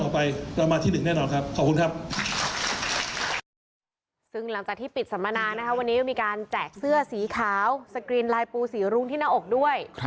สกรีนลายปูสีรุ้งที่หน้าอกด้วย